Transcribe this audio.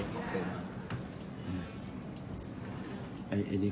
ส่วนสุดท้ายส่วนสุดท้าย